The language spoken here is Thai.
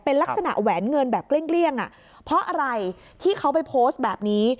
เป็นลักษณะแหวนเงินแบบเกลี้ยงอ่ะเพราะอะไรที่เขาไปโพสต์แบบนี้